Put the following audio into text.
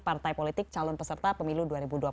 partai politik calon peserta pemilu dua ribu dua puluh